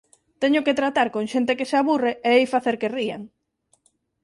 Teño que tratar con xente que se aburre, e hei facer que rían.